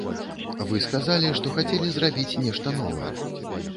Вы сказалі, што хацелі зрабіць нешта новае.